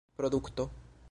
produkto